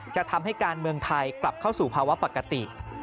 จะทำให้การเมืองไทยกลับเข้าสู่ภาวะปกติ